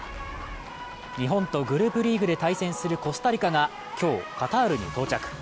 日本とグループリーグで対戦するコスタリカが今日、カタールに到着。